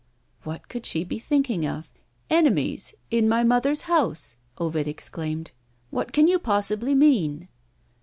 What could she be thinking of? "Enemies in my mother's house!" Ovid exclaimed. "What can you possibly mean?"